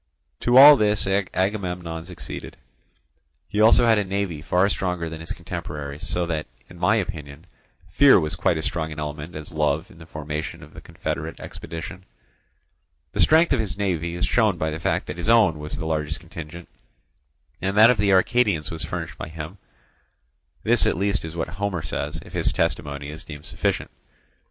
To all this Agamemnon succeeded. He had also a navy far stronger than his contemporaries, so that, in my opinion, fear was quite as strong an element as love in the formation of the confederate expedition. The strength of his navy is shown by the fact that his own was the largest contingent, and that of the Arcadians was furnished by him; this at least is what Homer says, if his testimony is deemed sufficient.